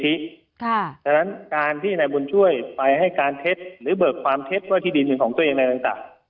เพราะฉะนั้นการที่นายบุญช่วยไปให้การเท็จหรือเบิกความเท็จว่าที่ดินของตัวเองอะไรต่าง